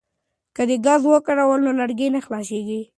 که ګاز وکاروو نو لرګي نه خلاصیږي.